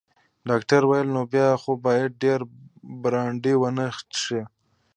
ډاکټر وویل: نو بیا خو باید ډیر برانډي ونه څښې.